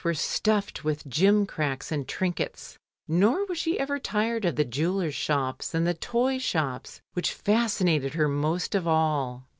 were stuffed with gimcracks and trinkets, nor was she ever tired of the jewellers' shops and the toy shops which fascinated her most of all.